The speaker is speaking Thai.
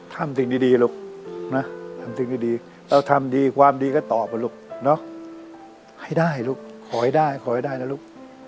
ทำสิ่งดีลูกนะทำสิ่งดีเราทำดีความดีก็ตอบนะลูกเนาะให้ได้ลูกขอให้ได้ขอให้ได้นะลูก